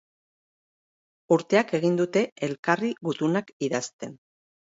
Urteak egin dute elkarri gutunak idazten.